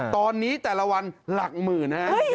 ตอนนี้แต่ละวันหลักหมื่นนะฮะ